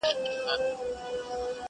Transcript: فکر اوچت غواړمه قد خم راکه.